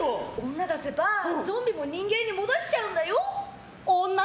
女出せばゾンビも人間に戻しちゃうんだよ。